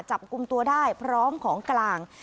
จับกลุ่มตัวได้พร้อมของกลาง